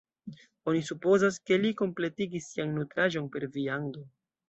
Oni supozas, ke li kompletigis sian nutraĵon per viando.